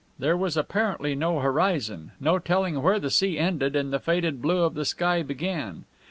There was apparently no horizon, no telling where the sea ended and the faded blue of the sky began.